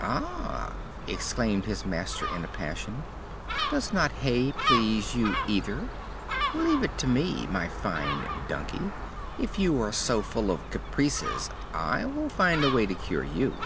"Ah!" exclaimed his master in a passion. "Does not hay please you either? Leave it to me, my fine donkey; if you are so full of caprices I will find a way to cure you!"